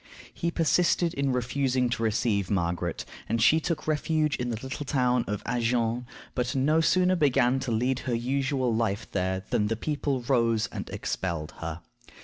He persisted in refusing to receive Margaret, and she took refuge in the little town of Agen, but no sooner began to lead her usual life there than the people rose and expelled her.